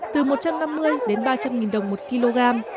từ một trăm năm mươi đến ba trăm linh đồng một kg